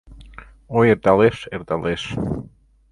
Ой, эрталеш, эрталеш